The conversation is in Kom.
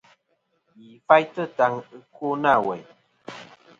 Yi faytɨ taŋ ɨkwo nâ weyn.